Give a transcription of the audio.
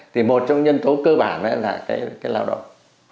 thì một trong nhân tố cơ bản là cái lao động